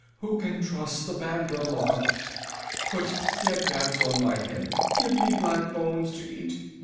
Who can trust the Bandar log? Put dead bats on my head! Give me black bones to eat!